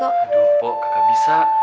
aduh mpok kakak bisa